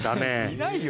いないよ